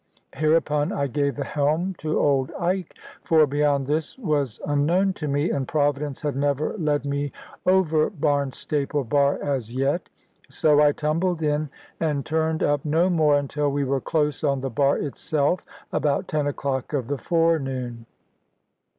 Hereupon I gave the helm to old Ike, for beyond this was unknown to me, and Providence had never led me over Barnstaple bar as yet. So I tumbled in, and turned up no more until we were close on the bar itself, about ten o'clock of the forenoon.